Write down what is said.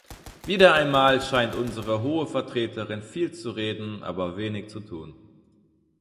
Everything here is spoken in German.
Wieder einmal scheint unsere Hohe Vertreterin viel zu reden, aber wenig zu tun.